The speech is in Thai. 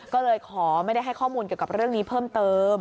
ก็เลยขอไม่ได้ให้ข้อมูลเกี่ยวกับเรื่องนี้เพิ่มเติม